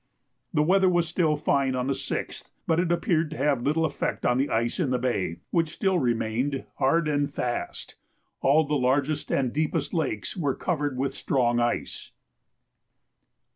The weather was still fine on the 6th, but it appeared to have little effect on the ice in the bay, which still remained hard and fast. All the largest and deepest lakes were covered with strong ice.